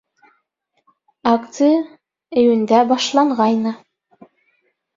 Акция июндә башланғайны.